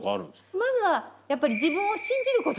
まずはやっぱり自分を信じること？